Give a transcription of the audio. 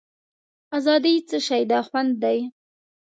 آزادي څه شی ده خوند دی.